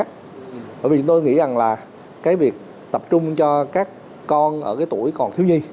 bởi vì tôi nghĩ rằng là cái việc tập trung cho các con ở cái tuổi còn thiếu nhi